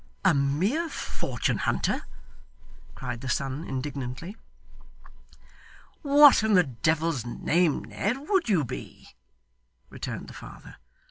'A mere fortune hunter!' cried the son, indignantly. 'What in the devil's name, Ned, would you be!' returned the father.